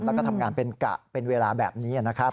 แล้วก็ทำงานเป็นกะเป็นเวลาแบบนี้นะครับ